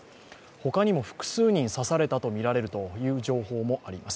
ほかにも複数人刺されたとみられるという情報もあります。